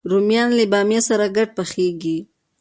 رومیان له بامیه سره ګډ پخېږي